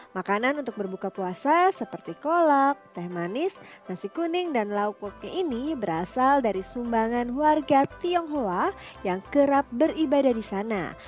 makanan untuk berbuka puasa seperti kolak teh manis nasi kuning dan lauk woknya ini berasal dari sumbangan warga tionghoa yang kerap beribadah di sana